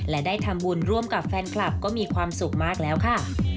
และได้ทำบุญร่วมกับแฟนคลับก็มีความสุขมากแล้วค่ะ